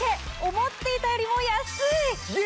思っていたよりも安い！